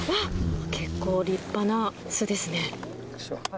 結構立派な巣ですね。